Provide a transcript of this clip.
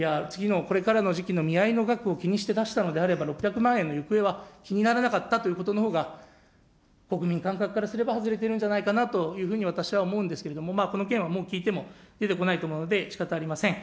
次のこれからの見合いの額を気にして出したのであれば、６００万円の行方は気にならなかったということのほうが、国民感覚からすれば外れてるんじゃないかと私は思うんですけれども、この件はもう聞いても出てこないと思いますので、しかたありません。